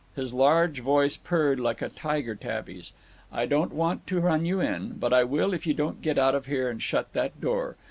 His large voice purred like a tiger tabby's. "I don't want to run you in, but I will if you don't get out of here and shut that door.